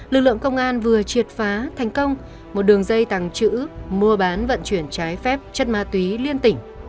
lực lượng công an vừa triệt phá thành công một đường dây tàng trữ mua bán vận chuyển trái phép chất ma túy liên tỉnh